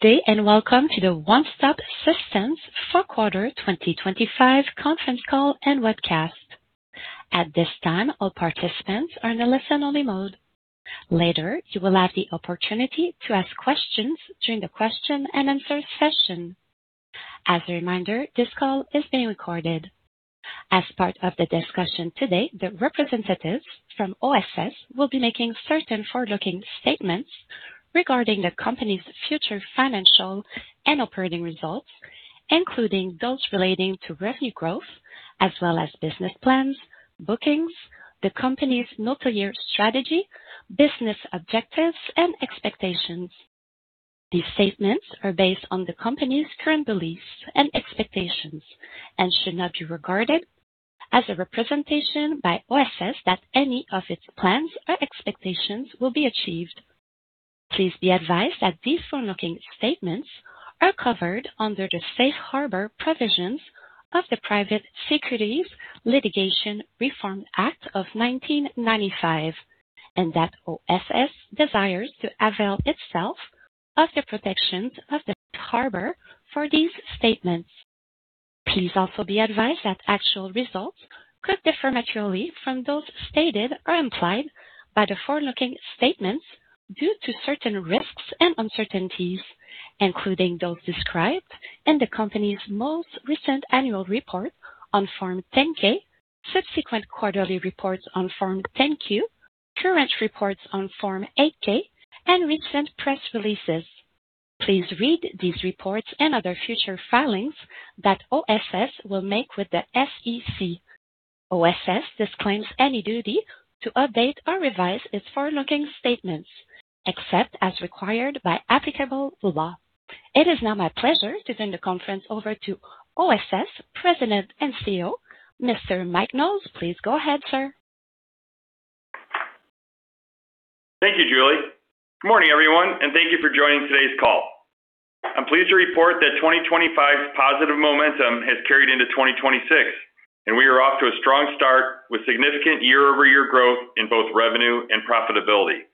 Good day. Welcome to the One Stop Systems fourth quarter 2025 conference call and webcast. At this time, all participants are in a listen-only mode. Later, you will have the opportunity to ask questions during the question-and-answer session. As a reminder, this call is being recorded. As part of the discussion today, the representatives from OSS will be making certain forward-looking statements regarding the company's future financial and operating results, including those relating to revenue growth as well as business plans, bookings, the company's multi-year strategy, business objectives, and expectations. These statements are based on the company's current beliefs and expectations and should not be regarded as a representation by OSS that any of its plans or expectations will be achieved. Please be advised that these forward-looking statements are covered under the safe harbor provisions of the Private Securities Litigation Reform Act of 1995 and that OSS desires to avail itself of the protections of the harbor for these statements. Please also be advised that actual results could differ materially from those stated or implied by the forward-looking statements due to certain risks and uncertainties, including those described in the company's most recent annual report on Form 10-K, subsequent quarterly reports on Form 10-Q, current reports on Form 8-K, and recent press releases. Please read these reports and other future filings that OSS will make with the SEC. OSS disclaims any duty to update or revise its forward-looking statements, except as required by applicable law. It is now my pleasure to turn the conference over to OSS President and CEO, Mr. Mike Knowles. Please go ahead, sir. Thank you, Julie. Good morning, everyone, and thank you for joining today's call. I'm pleased to report that 2025 positive momentum has carried into 2026, and we are off to a strong start with significant year-over-year growth in both revenue and profitability.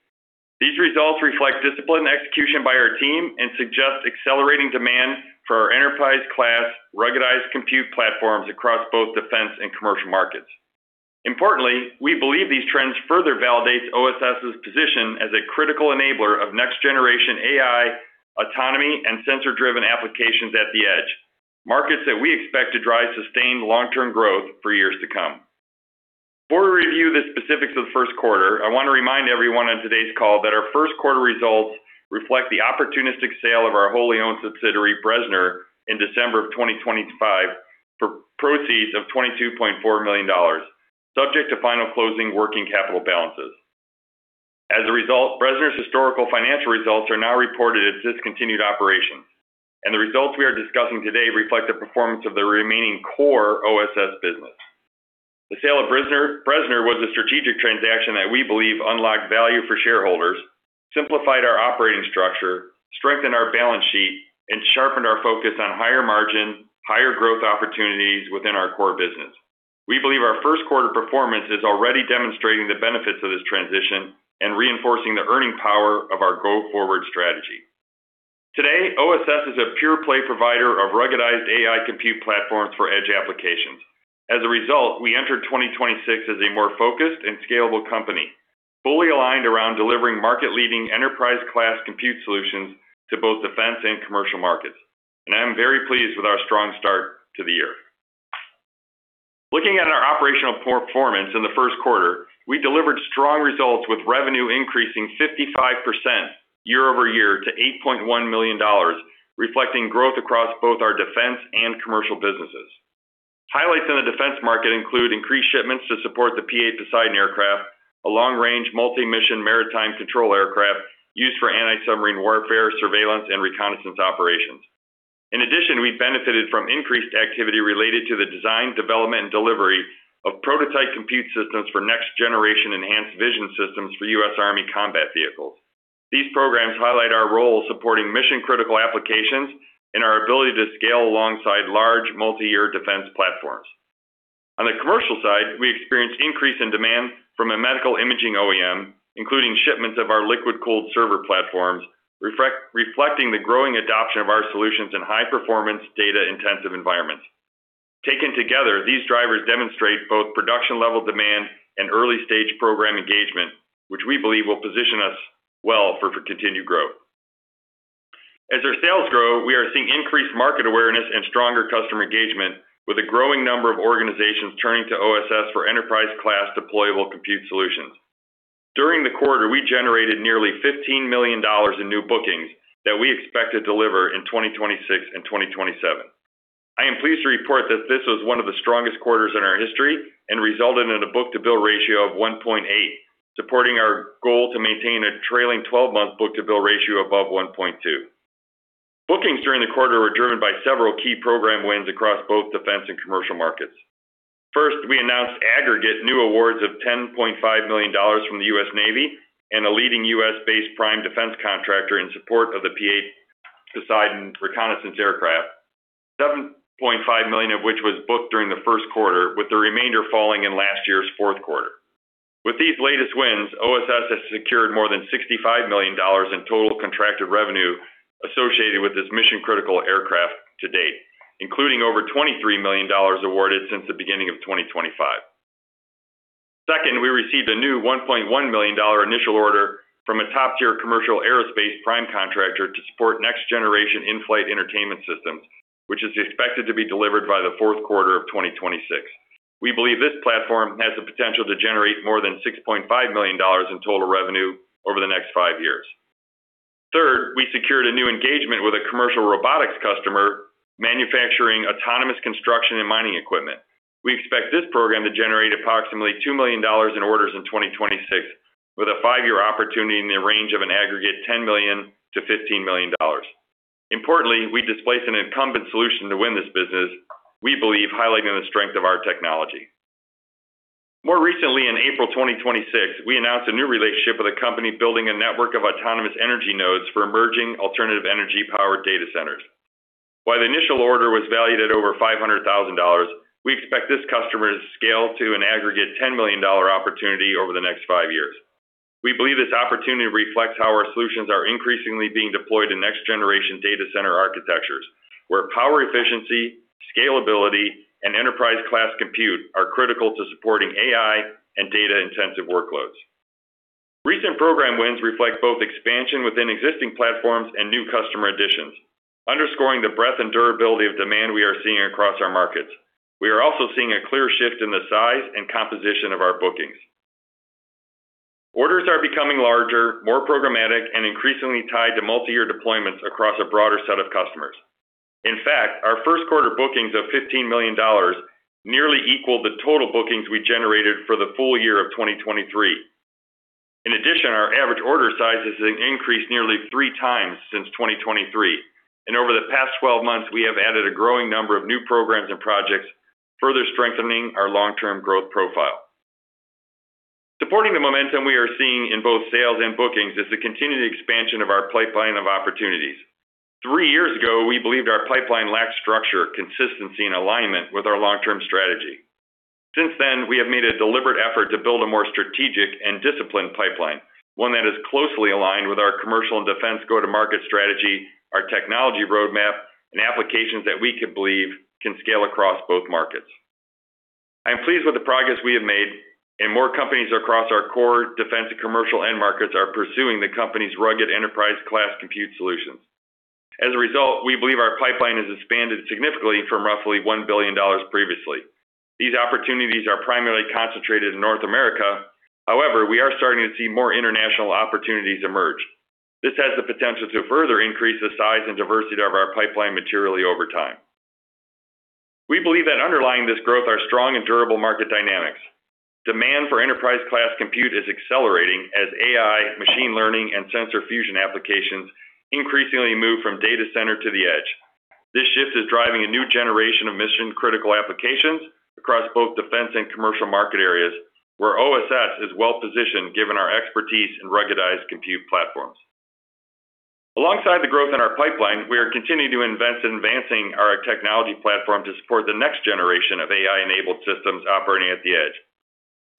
These results reflect disciplined execution by our team and suggest accelerating demand for our Enterprise Class ruggedized compute platforms across both defense and commercial markets. Importantly, we believe these trends further validate OSS's position as a critical enabler of next-generation AI, autonomy, and sensor-driven applications at the edge, markets that we expect to drive sustained long-term growth for years to come. Before we review the specifics of the first quarter, I want to remind everyone on today's call that our first quarter results reflect the opportunistic sale of our wholly-owned subsidiary, Bressner, in December of 2025 for proceeds of $22.4 million, subject to final closing working capital balances. As a result, Bressner's historical financial results are now reported as discontinued operations, and the results we are discussing today reflect the performance of the remaining core OSS business. The sale of Bressner was a strategic transaction that we believe unlocked value for shareholders, simplified our operating structure, strengthened our balance sheet, and sharpened our focus on higher margin, higher growth opportunities within our core business. We believe our first quarter performance is already demonstrating the benefits of this transition and reinforcing the earning power of our go-forward strategy. Today, OSS is a pure-play provider of ruggedized AI compute platforms for edge applications. As a result, we entered 2026 as a more focused and scalable company, fully aligned around delivering market-leading enterprise-class compute solutions to both defense and commercial markets. I am very pleased with our strong start to the year. Looking at our operational performance in the first quarter, we delivered strong results with revenue increasing 55% year-over-year to $8.1 million, reflecting growth across both our defense and commercial businesses. Highlights in the defense market include increased shipments to support the P-8 Poseidon aircraft, a long-range multi-mission maritime control aircraft used for anti-submarine warfare, surveillance, and reconnaissance operations. In addition, we benefited from increased activity related to the design, development, and delivery of prototype compute systems for next-generation enhanced vision systems for U.S. Army combat vehicles. These programs highlight our role supporting mission-critical applications and our ability to scale alongside large multi-year defense platforms. On the commercial side, we experienced increase in demand from a medical imaging OEM, including shipments of our liquid-cooled server platforms, reflecting the growing adoption of our solutions in high-performance data-intensive environments. Taken together, these drivers demonstrate both production-level demand and early-stage program engagement, which we believe will position us well for continued growth. As our sales grow, we are seeing increased market awareness and stronger customer engagement with a growing number of organizations turning to OSS for enterprise-class deployable compute solutions. During the quarter, we generated nearly $15 million in new bookings that we expect to deliver in 2026 and 2027. I am pleased to report that this was one of the strongest quarters in our history and resulted in a book-to-bill ratio of 1.8x, supporting our goal to maintain a trailing 12-month book-to-bill ratio above 1.2x. Bookings during the quarter were driven by several key program wins across both defense and commercial markets. First, we announced aggregate new awards of $10.5 million from the U.S. Navy and a leading U.S.-based prime defense contractor in support of the P-8 Poseidon reconnaissance aircraft. $0.5 million of which was booked during the first quarter, with the remainder falling in last year's fourth quarter. With these latest wins, OSS has secured more than $65 million in total contracted revenue associated with this mission-critical aircraft to date, including over $23 million awarded since the beginning of 2025. Second, we received a new $1.1 million initial order from a top-tier commercial aerospace prime contractor to support next-generation in-flight entertainment systems, which is expected to be delivered by the fourth quarter of 2026. We believe this platform has the potential to generate more than $6.5 million in total revenue over the next five years. Third, we secured a new engagement with a commercial robotics customer manufacturing autonomous construction and mining equipment. We expect this program to generate approximately $2 million in orders in 2026, with a five-year opportunity in the range of an aggregate $10 million-$15 million. Importantly, we displaced an incumbent solution to win this business, we believe highlighting the strength of our technology. More recently, in April 2026, we announced a new relationship with a company building a network of autonomous energy nodes for emerging alternative energy-powered data centers. While the initial order was valued at over $500,000, we expect this customer to scale to an aggregate $10 million opportunity over the next five years. We believe this opportunity reflects how our solutions are increasingly being deployed in next-generation data center architectures, where power efficiency, scalability, and enterprise-class compute are critical to supporting AI and data-intensive workloads. Recent program wins reflect both expansion within existing platforms and new customer additions, underscoring the breadth and durability of demand we are seeing across our markets. We are also seeing a clear shift in the size and composition of our bookings. Orders are becoming larger, more programmatic, and increasingly tied to multi-year deployments across a broader set of customers. In fact, our first quarter bookings of $15 million nearly equal the total bookings we generated for the full year of 2023. In addition, our average order size has increased nearly three times since 2023, and over the past 12 months, we have added a growing number of new programs and projects, further strengthening our long-term growth profile. Supporting the momentum we are seeing in both sales and bookings is the continued expansion of our pipeline of opportunities. Three years ago, we believed our pipeline lacked structure, consistency, and alignment with our long-term strategy. Since then, we have made a deliberate effort to build a more strategic and disciplined pipeline, one that is closely aligned with our commercial and defense go-to-market strategy, our technology roadmap, and applications that we can believe can scale across both markets. I am pleased with the progress we have made, and more companies across our core defense and commercial end markets are pursuing the company's rugged Enterprise Class compute solutions. As a result, we believe our pipeline has expanded significantly from roughly $1 billion previously. These opportunities are primarily concentrated in North America. However, we are starting to see more international opportunities emerge. This has the potential to further increase the size and diversity of our pipeline materially over time. We believe that underlying this growth are strong and durable market dynamics. Demand for Enterprise Class compute is accelerating as AI, machine learning, and sensor fusion applications increasingly move from data center to the edge. This shift is driving a new generation of mission-critical applications across both defense and commercial market areas, where OSS is well-positioned given our expertise in ruggedized compute platforms. Alongside the growth in our pipeline, we are continuing to invest in advancing our technology platform to support the next generation of AI-enabled systems operating at the edge.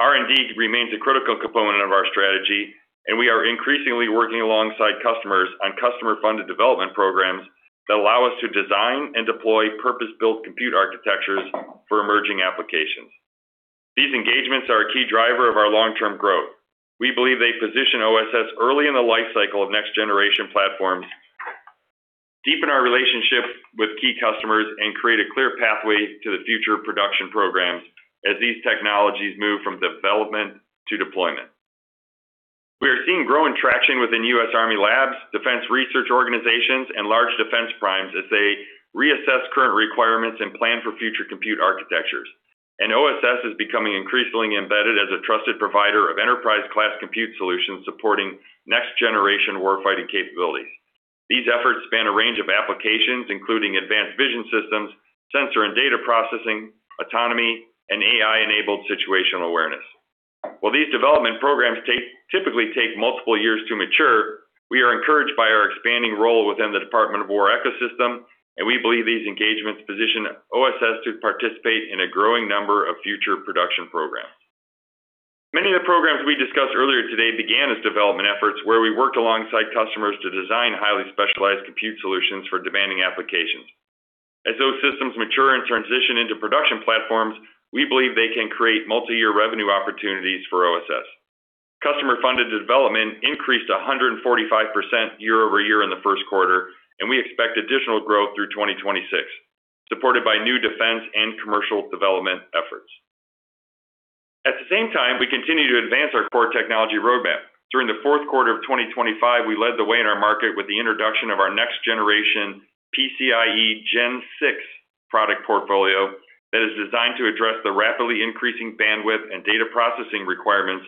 R&D remains a critical component of our strategy, and we are increasingly working alongside customers on customer-funded development programs that allow us to design and deploy purpose-built compute architectures for emerging applications. These engagements are a key driver of our long-term growth. We believe they position OSS early in the life cycle of next-generation platforms, deepen our relationship with key customers, and create a clear pathway to the future production programs as these technologies move from development to deployment. We are seeing growing traction within U.S. Army labs, defense research organizations, and large defense primes as they reassess current requirements and plan for future compute architectures. OSS is becoming increasingly embedded as a trusted provider of enterprise-class compute solutions supporting next-generation warfighting capabilities. These efforts span a range of applications, including advanced vision systems, sensor and data processing, autonomy, and AI-enabled situational awareness. While these development programs typically take multiple years to mature, we are encouraged by our expanding role within the Department of Defense ecosystem, and we believe these engagements position OSS to participate in a growing number of future production programs. Many of the programs we discussed earlier today began as development efforts where we worked alongside customers to design highly specialized compute solutions for demanding applications. As those systems mature and transition into production platforms, we believe they can create multi-year revenue opportunities for OSS. Customer-funded development increased 145% year-over-year in the first quarter, and we expect additional growth through 2026, supported by new defense and commercial development efforts. At the same time, we continue to advance our core technology roadmap. During the fourth quarter of 2025, we led the way in our market with the introduction of our next-generation PCIe Gen 6 product portfolio that is designed to address the rapidly increasing bandwidth and data processing requirements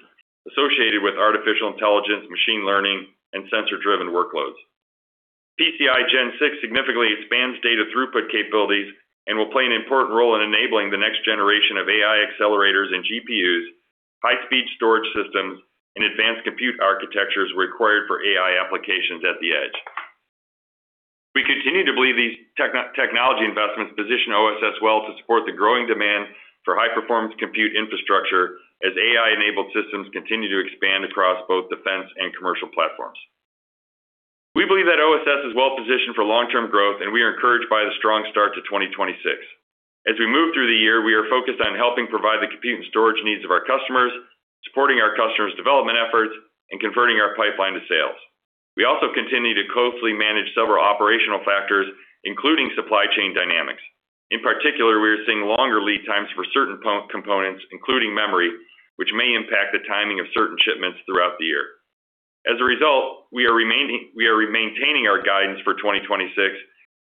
associated with artificial intelligence, machine learning, and sensor-driven workloads. PCIe Gen 6 significantly expands data throughput capabilities and will play an important role in enabling the next generation of AI Accelerators and GPUs, high-speed storage systems, and advanced compute architectures required for AI applications at the edge. We continue to believe these technology investments position OSS well to support the growing demand for high-performance compute infrastructure as AI-enabled systems continue to expand across both defense and commercial platforms. We believe that OSS is well-positioned for long-term growth. We are encouraged by the strong start to 2026. As we move through the year, we are focused on helping provide the compute and storage needs of our customers, supporting our customers' development efforts, and converting our pipeline to sales. We also continue to closely manage several operational factors, including supply chain dynamics. In particular, we are seeing longer lead times for certain components, including memory, which may impact the timing of certain shipments throughout the year. As a result, we are maintaining our guidance for 2026,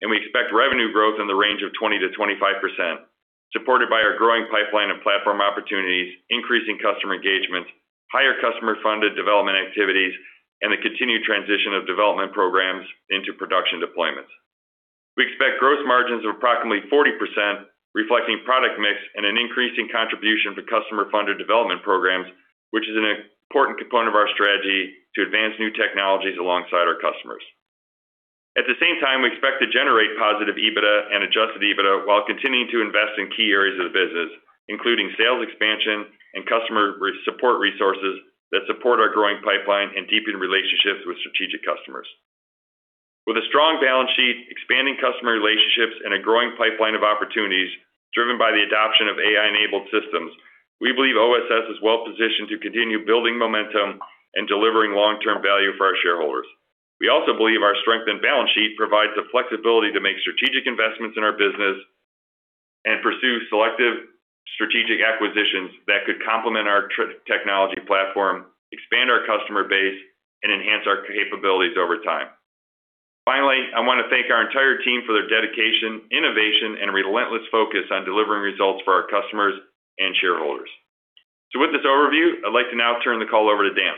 and we expect revenue growth in the range of 20%-25%, supported by our growing pipeline of platform opportunities, increasing customer engagement, higher customer-funded development activities, and the continued transition of development programs into production deployments. We expect gross margins of approximately 40%, reflecting product mix and an increasing contribution to customer-funded development programs, which is an important component of our strategy to advance new technologies alongside our customers. At the same time, we expect to generate positive EBITDA and adjusted EBITDA while continuing to invest in key areas of the business, including sales expansion and customer support resources that support our growing pipeline and deepen relationships with strategic customers. With a strong balance sheet, expanding customer relationships, and a growing pipeline of opportunities driven by the adoption of AI-enabled systems, we believe OSS is well-positioned to continue building momentum and delivering long-term value for our shareholders. We also believe our strength and balance sheet provides the flexibility to make strategic investments in our business and pursue selective strategic acquisitions that could complement our technology platform, expand our customer base, and enhance our capabilities over time. Finally, I wanna thank our entire team for their dedication, innovation, and relentless focus on delivering results for our customers and shareholders. With this overview, I'd like to now turn the call over to Dan.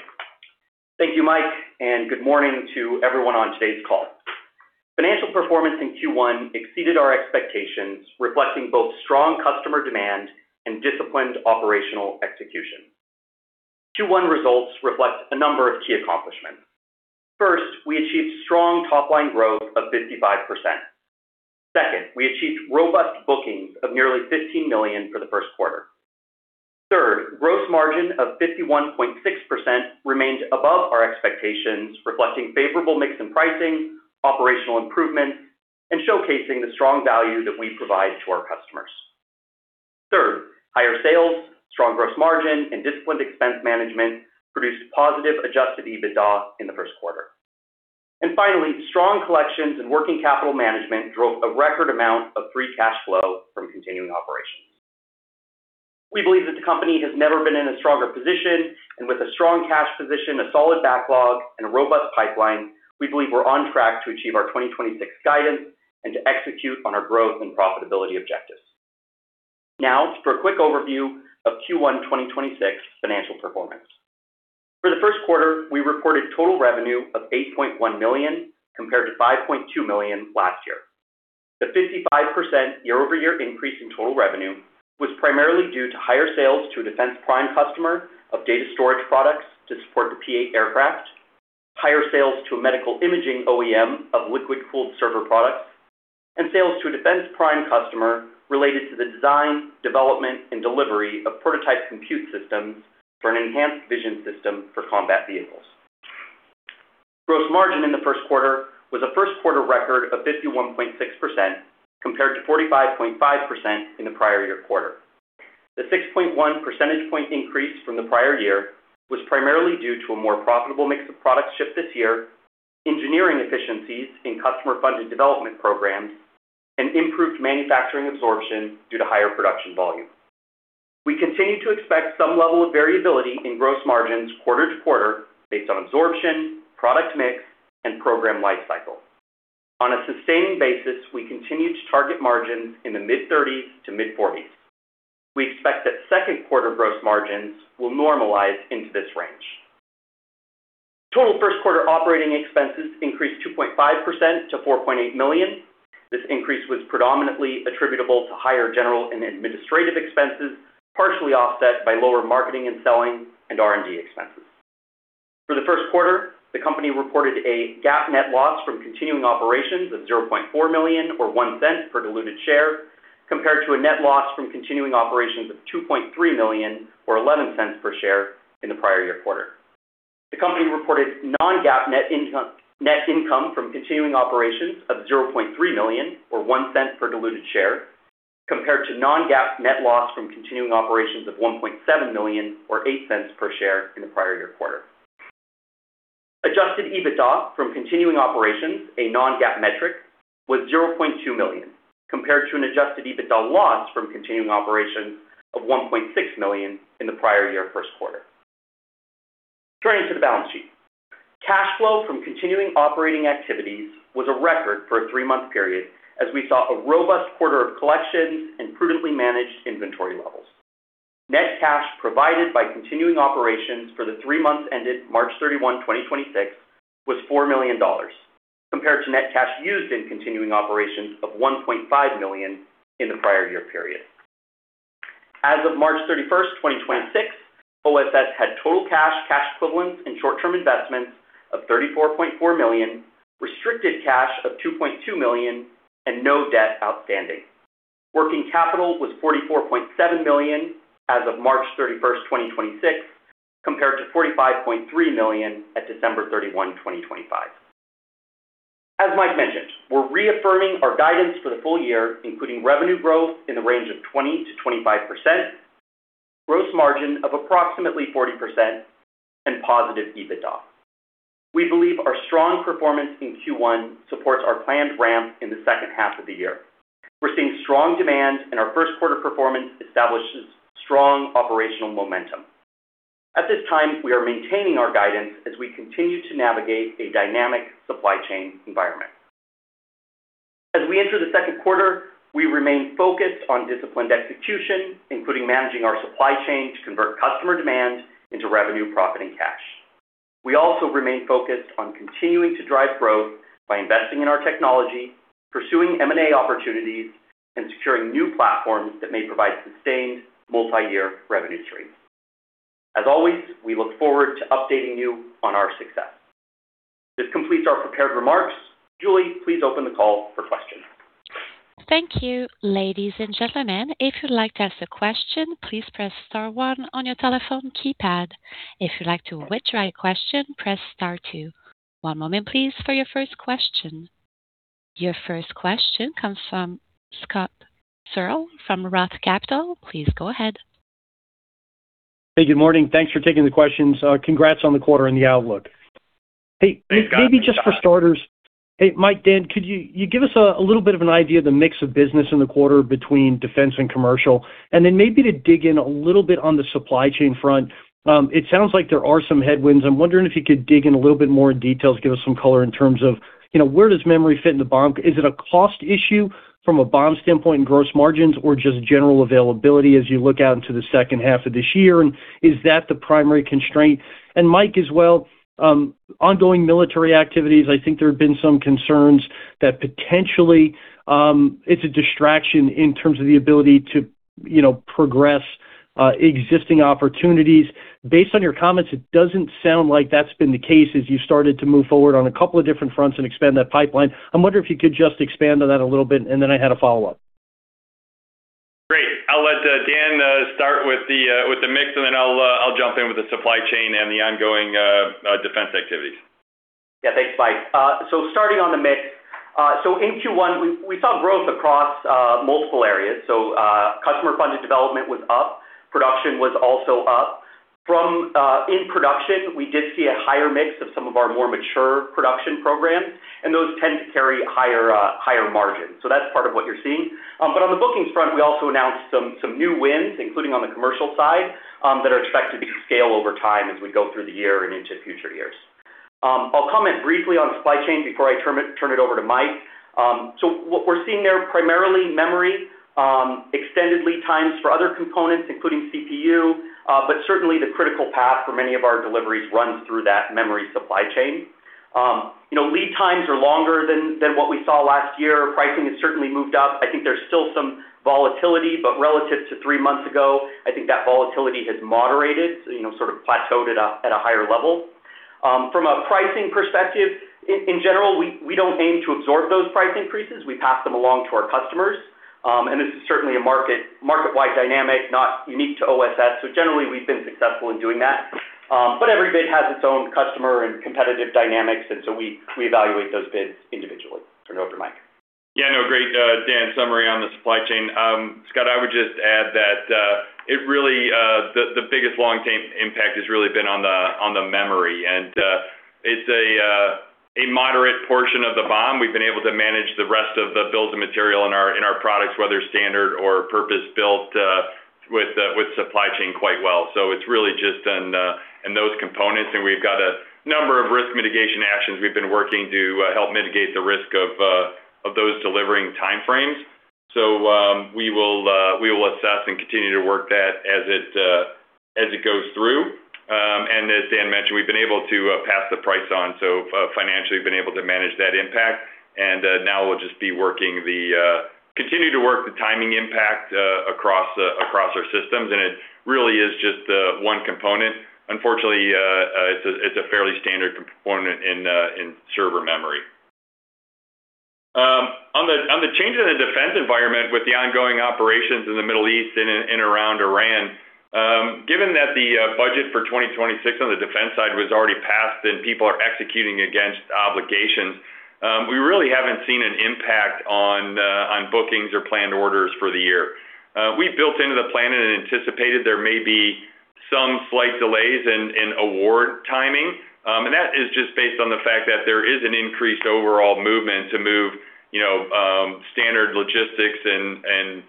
Thank you, Mike, good morning to everyone on today's call. Financial performance in Q1 exceeded our expectations, reflecting both strong customer demand and disciplined operational execution. Q1 results reflect a number of key accomplishments. First, we achieved strong top-line growth of 55%. Second, we achieved robust bookings of nearly $15 million for the first quarter. Third, gross margin of 51.6% remained above our expectations, reflecting favorable mix in pricing, operational improvement, and showcasing the strong value that we provide to our customers. Third, higher sales, strong gross margin, and disciplined expense management produced positive adjusted EBITDA in the first quarter. Finally, strong collections and working capital management drove a record amount of free cash flow from continuing operations. We believe that the company has never been in a stronger position, and with a strong cash position, a solid backlog, and a robust pipeline, we believe we're on track to achieve our 2026 guidance and to execute on our growth and profitability objectives. Now for a quick overview of Q1 2026 financial performance. For the first quarter, we reported total revenue of $8.1 million, compared to $5.2 million last year. The 55% year-over-year increase in total revenue was primarily due to higher sales to a defense prime customer of data storage products to support the P-8 aircraft, higher sales to a medical imaging OEM of liquid-cooled server products, and sales to a defense prime customer related to the design, development, and delivery of prototype compute systems for an enhanced vision system for combat vehicles. Gross margin in the first quarter was a first quarter record of 51.6%, compared to 45.5% in the prior year quarter. The 6.1 percentage point increase from the prior year was primarily due to a more profitable mix of products shipped this year, engineering efficiencies in customer-funded development programs, and improved manufacturing absorption due to higher production volume. We continue to expect some level of variability in gross margins quarter to quarter based on absorption, product mix, and program life cycle. On a sustaining basis, we continue to target margins in the mid-30s to mid-40s. We expect that second quarter gross margins will normalize into this range. Total first quarter operating expenses increased 2.5% to $4.8 million. This increase was predominantly attributable to higher general and administrative expenses, partially offset by lower marketing and selling and R&D expenses. For the first quarter, the company reported a GAAP net loss from continuing operations of $0.4 million, or $0.01 per diluted share, compared to a net loss from continuing operations of $2.3 million, or $0.11 per share in the prior year quarter. The company reported non-GAAP net income, net income from continuing operations of $0.3 million, or $0.01 per diluted share, compared to non-GAAP net loss from continuing operations of $1.7 million, or $0.08 per share in the prior year quarter. Adjusted EBITDA from continuing operations, a non-GAAP metric, was $0.2 million, compared to an adjusted EBITDA loss from continuing operations of $1.6 million in the prior year first quarter. Turning to the balance sheet. Cash flow from continuing operating activities was a record for a three-month period as we saw a robust quarter of collections and prudently managed inventory levels. Net cash provided by continuing operations for the three months ended March 31, 2026 was $4 million. Compared to net cash used in continuing operations of $1.5 million in the prior year period. As of March 31st, 2026, OSS had total cash equivalents and short-term investments of $34.4 million, restricted cash of $2.2 million, and no debt outstanding. Working capital was $44.7 million as of March 31st, 2026, compared to $45.3 million at December 31, 2025. As Mike mentioned, we're reaffirming our guidance for the full year, including revenue growth in the range of 20%-25%, gross margin of approximately 40%, and positive EBITDA. We believe our strong performance in Q1 supports our planned ramp in the second half of the year. We're seeing strong demand, and our first quarter performance establishes strong operational momentum. At this time, we are maintaining our guidance as we continue to navigate a dynamic supply chain environment. As we enter the second quarter, we remain focused on disciplined execution, including managing our supply chain to convert customer demand into revenue, profit and cash. We also remain focused on continuing to drive growth by investing in our technology, pursuing M&A opportunities, and securing new platforms that may provide sustained multi-year revenue streams. As always, we look forward to updating you on our success. This completes our prepared remarks. Julie, please open the call for questions. Thank you. Ladies and gentlemen, if you'd like to ask a question, please press star one on your telephone keypad. If you'd like to withdraw your question, press star two. One moment please, for your first question. Your first question comes from Scott Searle from Roth Capital. Please go ahead. Hey, good morning. Thanks for taking the questions. Congrats on the quarter and the outlook. Thanks, Scott. Hey, maybe just for starters. Hey, Mike, Dan, could you give us a little bit of an idea of the mix of business in the quarter between defense and commercial, and then maybe to dig in a little bit on the supply chain front. It sounds like there are some headwinds. I'm wondering if you could dig in a little bit more in details, give us some color in terms of, you know, where does memory fit in the BOM? Is it a cost issue from a BOM standpoint in gross margins or just general availability as you look out into the second half of this year, and is that the primary constraint? Mike as well, ongoing military activities. I think there have been some concerns that potentially it's a distraction in terms of the ability to, you know, progress existing opportunities. Based on your comments, it doesn't sound like that's been the case as you started to move forward on a couple of different fronts and expand that pipeline. I wonder if you could just expand on that a little bit, and then I had a follow-up. Great. I'll let Dan start with the, with the mix, and then I'll jump in with the supply chain and the ongoing defense activities. Thanks, Mike. Starting on the mix. In Q1, we saw growth across multiple areas. Customer-funded development was up. Production was also up. In production, we did see a higher mix of some of our more mature production programs, and those tend to carry higher margins. That's part of what you're seeing. On the bookings front, we also announced some new wins, including on the commercial side, that are expected to scale over time as we go through the year and into future years. I'll comment briefly on supply chain before I turn it over to Mike. What we're seeing there, primarily memory, extended lead times for other components, including CPU. Certainly the critical path for many of our deliveries runs through that memory supply chain. You know, lead times are longer than what we saw last year. Pricing has certainly moved up. I think there's still some volatility, but relative to three months ago, I think that volatility has moderated, you know, sort of plateaued at a higher level. From a pricing perspective, in general, we don't aim to absorb those price increases. We pass them along to our customers. This is certainly a market-wide dynamic, not unique to OSS. Generally, we've been successful in doing that. Every bid has its own customer and competitive dynamics, we evaluate those bids individually. Turn it over to Mike. Great, Dan, summary on the supply chain. Scott Searle, I would just add that it really the biggest long-term impact has really been on the memory. It's a moderate portion of the BOM. We've been able to manage the rest of the builds and material in our products, whether standard or purpose-built, with supply chain quite well. It's really just in those components, and we've got a number of risk mitigation actions we've been working to help mitigate the risk of those delivering time frames. We will assess and continue to work that as it goes through. As Dan mentioned, we've been able to pass the price on. Financially we've been able to manage that impact. Now we'll just be working the, continue to work the timing impact, across our systems, and it really is just one component. Unfortunately, it's a fairly standard component in server memory. On the, on the change in the defense environment with the ongoing operations in the Middle East and around Iran, given that the budget for 2026 on the defense side was already passed and people are executing against obligations, we really haven't seen an impact on bookings or planned orders for the year. We built into the plan and anticipated there may be some slight delays in award timing. That is just based on the fact that there is an increased overall movement to move, you know, standard logistics and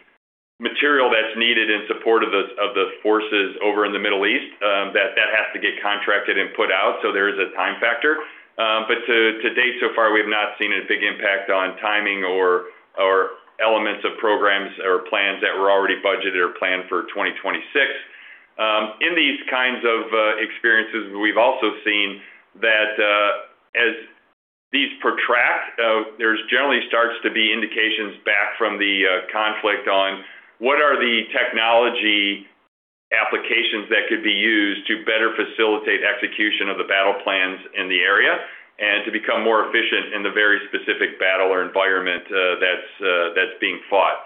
material that's needed in support of the forces over in the Middle East that has to get contracted and put out. There is a time factor. To date so far, we have not seen a big impact on timing or elements of programs or plans that were already budgeted or planned for 2026. In these kinds of experiences, we've also seen that as these protract, there's generally starts to be indications back from the conflict on what are the technology applications that could be used to better facilitate execution of the battle plans in the area and to become more efficient in the very specific battle or environment that's that's being fought.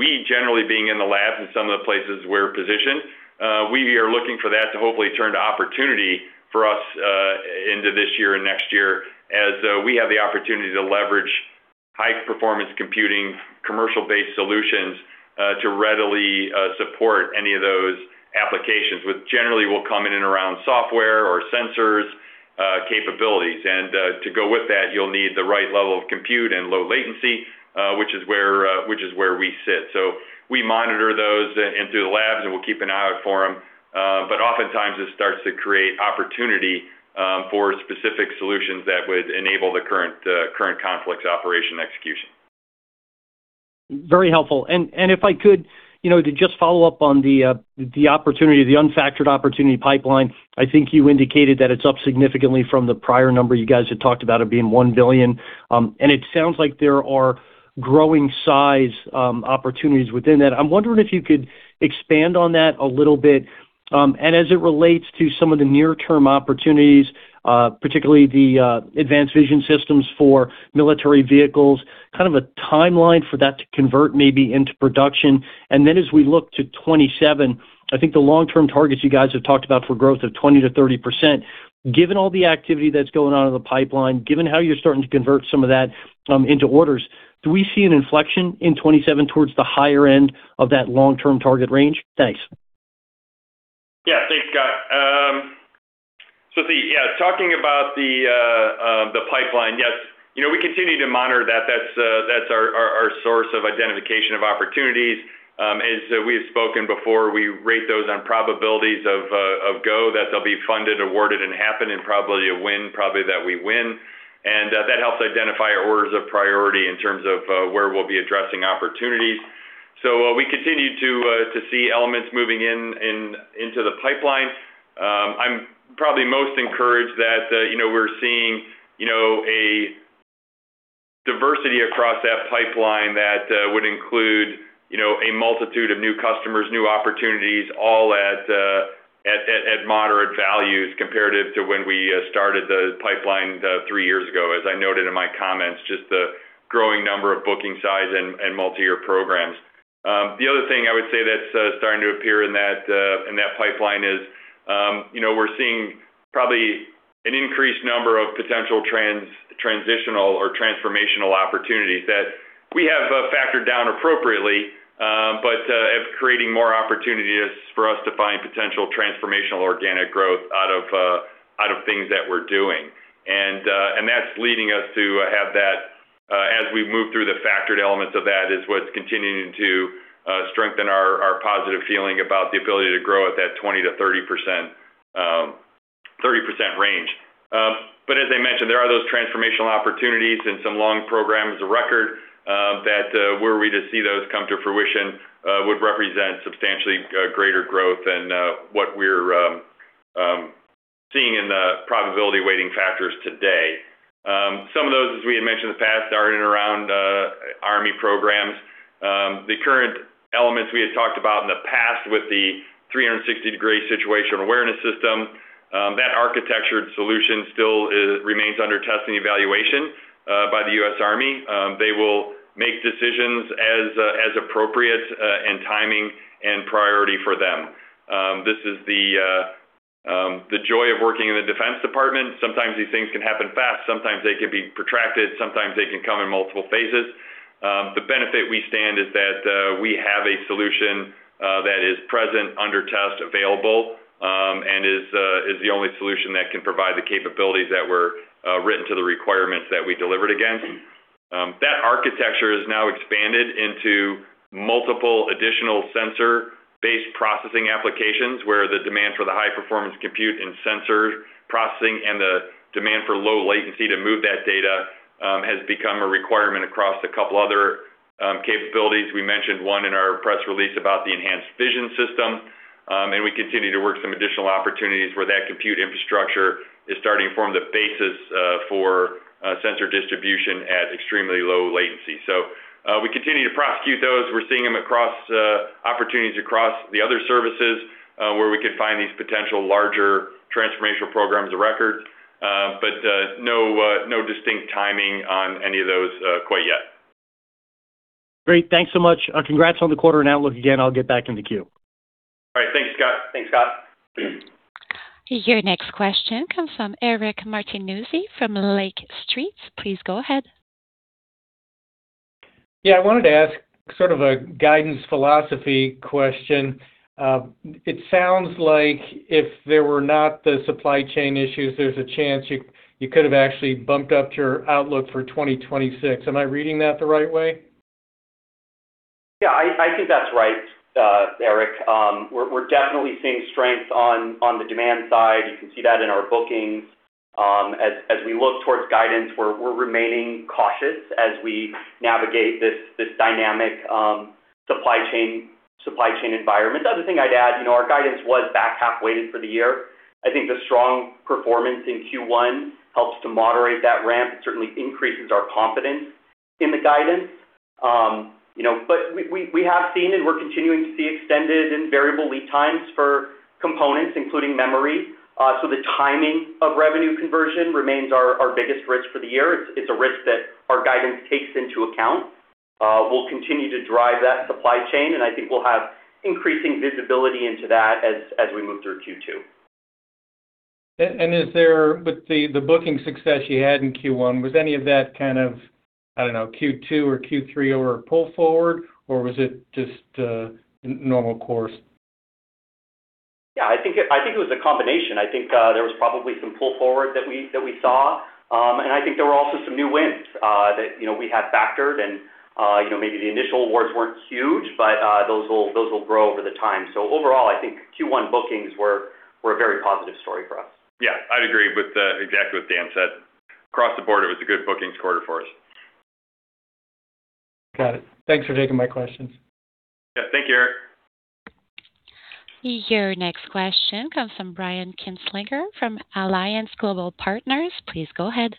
We generally being in the lab in some of the places we're positioned, we are looking for that to hopefully turn to opportunity for us into this year and next year as we have the opportunity to leverage high performance computing commercial-based solutions to readily support any of those applications, which generally will come in and around software or sensors capabilities. To go with that, you'll need the right level of compute and low latency, which is where we sit. We monitor those in, into the labs, and we'll keep an eye out for them. Oftentimes it starts to create opportunity for specific solutions that would enable the current conflicts operation execution. Very helpful. If I could, you know, to just follow up on the opportunity, the unfactored opportunity pipeline. I think you indicated that it's up significantly from the prior number you guys had talked about it being $1 billion. It sounds like there are growing size opportunities within that. I'm wondering if you could expand on that a little bit. As it relates to some of the near-term opportunities, particularly the advanced vision systems for military vehicles, kind of a timeline for that to convert maybe into production. As we look to 2027, I think the long-term targets you guys have talked about for growth of 20%-30%, given all the activity that's going on in the pipeline, given how you're starting to convert some of that into orders, do we see an inflection in 2027 towards the higher end of that long-term target range? Thanks. Thanks, Scott. Talking about the pipeline, yes. You know, we continue to monitor that. That's our source of identification of opportunities. As we have spoken before, we rate those on probabilities of go that they'll be funded, awarded, and happen, and probability of win that we win. That helps identify our orders of priority in terms of where we'll be addressing opportunities. We continue to see elements moving into the pipeline. I'm probably most encouraged that, you know, we're seeing, you know, a diversity across that pipeline that would include, you know, a multitude of new customers, new opportunities, all at moderate values comparative to when we started the pipeline three years ago. As I noted in my comments, just the growing number of booking size and multi-year programs. The other thing I would say that's starting to appear in that in that pipeline is, you know, we're seeing probably an increased number of potential transitional or transformational opportunities that we have factored down appropriately, it's creating more opportunities for us to find potential transformational organic growth out of out of things that we're doing. That's leading us to have that as we move through the factored elements of that is what's continuing to strengthen our positive feeling about the ability to grow at that 20% to 30% range. As I mentioned, there are those transformational opportunities and some long programs of record that were we to see those come to fruition, would represent substantially greater growth than what we're seeing in the probability weighting factors today. Some of those, as we had mentioned in the past, are in and around army programs. The current elements we had talked about in the past with the 360-degree situational awareness system, that architecture solution still remains under test and evaluation by the U.S. Army. They will make decisions as appropriate, and timing and priority for them. This is the joy of working in the Department of Defense. Sometimes these things can happen fast, sometimes they can be protracted, sometimes they can come in multiple phases. The benefit we stand is that we have a solution that is present under test available, and is the only solution that can provide the capabilities that were written to the requirements that we delivered against. That architecture is now expanded into multiple additional sensor-based processing applications, where the demand for the high performance compute and sensor processing and the demand for low latency to move that data has become a requirement across a couple other capabilities. We mentioned one in our press release about the enhanced vision system. And we continue to work some additional opportunities where that compute infrastructure is starting to form the basis for sensor distribution at extremely low latency. We continue to prosecute those. We're seeing them across opportunities across the other services, where we could find these potential larger transformational programs of record. No, no distinct timing on any of those, quite yet. Great. Thanks so much. Congrats on the quarter and outlook again. I'll get back in the queue. All right. Thanks, Scott. Thanks, Scott. Your next question comes from Eric Martinuzzi from Lake Street. Please go ahead. Yeah. I wanted to ask sort of a guidance philosophy question. It sounds like if there were not the supply chain issues, there's a chance you could have actually bumped up your outlook for 2026. Am I reading that the right way? Yeah. I think that's right, Eric. We're definitely seeing strength on the demand side. You can see that in our bookings. As we look towards guidance, we're remaining cautious as we navigate this dynamic supply chain environment. The other thing I'd add, you know, our guidance was back half-weighted for the year. I think the strong performance in Q1 helps to moderate that ramp. It certainly increases our confidence in the guidance. You know, we have seen and we're continuing to see extended and variable lead times for components, including memory. The timing of revenue conversion remains our biggest risk for the year. It's a risk that our guidance takes into account. We'll continue to drive that supply chain, and I think we'll have increasing visibility into that as we move through Q2. Is there with the booking success you had in Q1, was any of that kind of, I don't know, Q2 or Q3 over a pull forward, or was it just normal course? Yeah, I think it was a combination. I think there was probably some pull forward that we saw. I think there were also some new wins that, you know, we had factored and, you know, maybe the initial awards weren't huge, but those will grow over the time. Overall, I think Q1 bookings were a very positive story for us. Yeah. I'd agree with exactly what Dan said. Across the board, it was a good bookings quarter for us. Got it. Thanks for taking my questions. Yeah. Thank you, Eric. Your next question comes from Brian Kinstlinger from Alliance Global Partners. Please go ahead.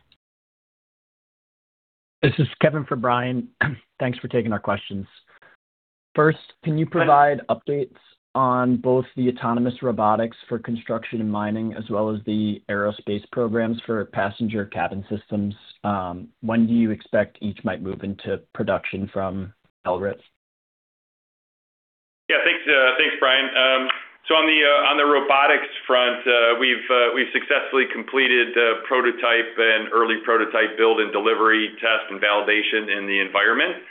This is Kevin for Brian. Thanks for taking our questions. First, can you provide updates on both the autonomous robotics for construction and mining, as well as the aerospace programs for passenger cabin systems? When do you expect each might move into production from LRIP? Yeah. Thanks, thanks, Brian. On the robotics front, we've successfully completed the prototype and early prototype build and delivery test and validation in the environment.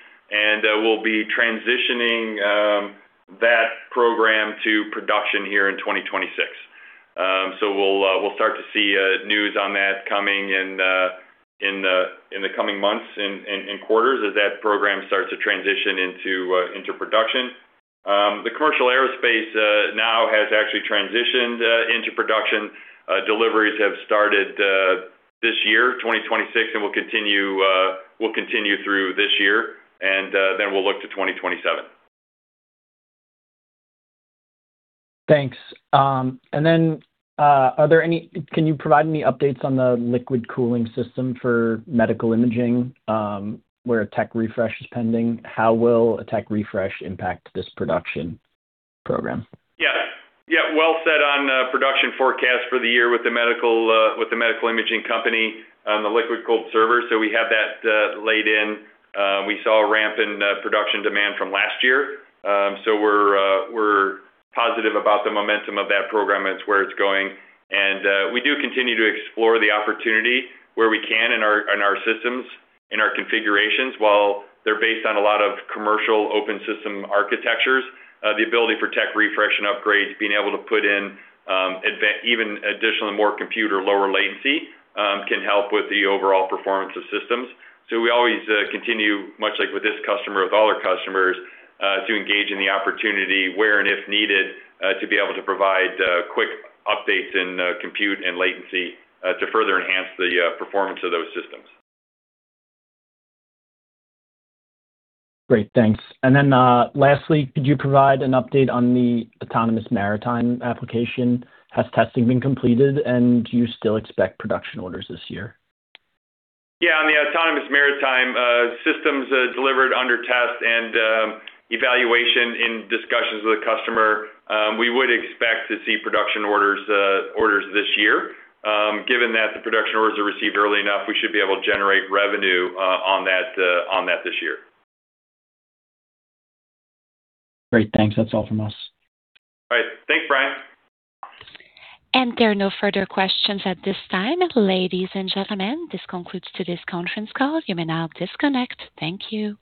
We'll be transitioning that program to production here in 2026. We'll start to see news on that coming in in the coming months and quarters as that program starts to transition into production. The commercial aerospace now has actually transitioned into production. Deliveries have started this year, 2026, and will continue through this year. We'll look to 2027. Thanks. Can you provide any updates on the liquid cooling system for medical imaging, where a tech refresh is pending? How will a tech refresh impact this production program? Well said on production forecast for the year with the medical imaging company on the liquid cold server. We have that laid in. We saw a ramp in production demand from last year. We're positive about the momentum of that program and it's where it's going. We do continue to explore the opportunity where we can in our systems, in our configurations. While they're based on a lot of commercial open system architectures, the ability for tech refresh and upgrades, being able to put in even additional more compute or lower latency, can help with the overall performance of systems. We always continue, much like with this customer, with all our customers, to engage in the opportunity where and if needed, to be able to provide quick updates in compute and latency, to further enhance the performance of those systems. Great. Thanks. Then, lastly, could you provide an update on the autonomous maritime application? Has testing been completed, and do you still expect production orders this year? Yeah. On the autonomous maritime systems, delivered under test and evaluation in discussions with the customer, we would expect to see production orders this year. Given that the production orders are received early enough, we should be able to generate revenue on that this year. Great. Thanks. That's all from us. All right. Thanks, Brian. There are no further questions at this time. Ladies and gentlemen, this concludes today's conference call. You may now disconnect. Thank you.